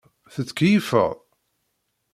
Tettkeyyifeḍ?